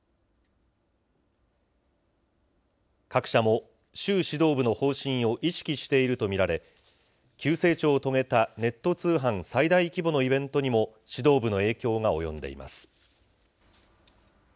各社も習指導部の方針を意識していると見られ、急成長を遂げたネット通販最大規模のイベントにも、指導部の影響が及んでいます。